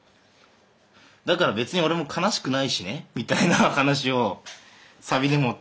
だから別に俺も悲しくないしねみたいな話をサビで持ってきたくて。